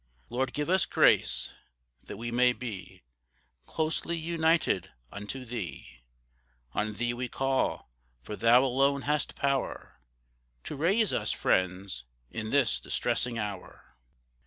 Lord give us grace, that we may be, Closely united unto thee; On thee we call, for thou alone hast power, To raise us friends in this distressing hour.